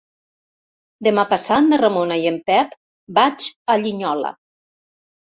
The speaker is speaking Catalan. Demà passat na Ramona i en Pep vaig a Linyola.